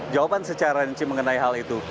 jawaban secara rinci mengenai hal itu